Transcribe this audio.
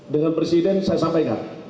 dengan presiden saya sampaikan